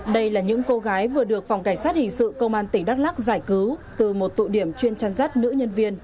đây là những cô gái vừa được phòng cảnh sát hình sự công an tỉnh đắk lắc giải cứu từ một tụ điểm chuyên chăn rắt nữ nhân viên